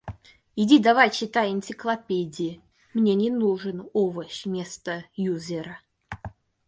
Иди давай читай энциклопедии, мне не нужен овощ вместо юзера.